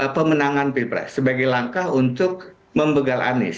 pemenangan bill price sebagai langkah untuk membegal anies